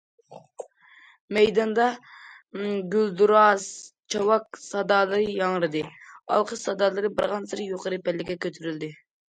مەيداندا گۈلدۈراس چاۋاك سادالىرى ياڭرىدى، ئالقىش سادالىرى بارغانسېرى يۇقىرى پەللىگە كۆتۈرۈلدى.